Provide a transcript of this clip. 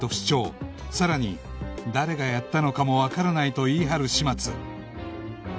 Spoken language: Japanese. さらに誰がやったのかもわからないと言い張る始末